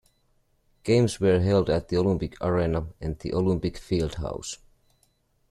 Games were held at the Olympic Arena and the Olympic Fieldhouse.